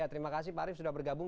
terima kasih pak arief sudah bergabung